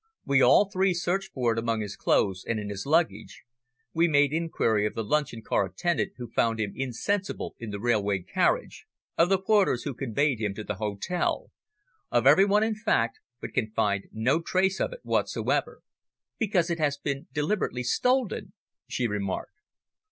"We all three searched for it among his clothes and in his luggage; we made inquiry of the luncheon car attendant who found him insensible in the railway carriage, of the porters who conveyed him to the hotel, of every one, in fact, but can find no trace of it whatsoever." "Because it has been deliberately stolen," she remarked.